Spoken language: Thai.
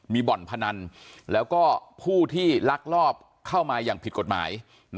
มีบ่อนพนันแล้วก็ผู้ที่ลักลอบเข้ามาอย่างผิดกฎหมาย